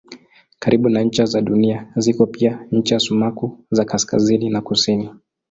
Karibu na ncha za Dunia ziko pia ncha sumaku za kaskazini na kusini.